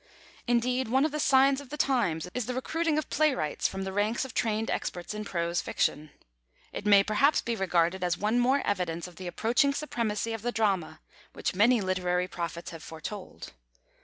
Indeed, one of the signs of the times is the recruiting of playwrights from the ranks of trained experts in prose fiction. It may perhaps be regarded as one more evidence of the approaching supremacy of the Drama, which many literary prophets have foretold.